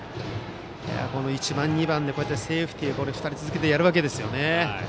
１番、２番でセーフティーを２人続けてやるわけですよね。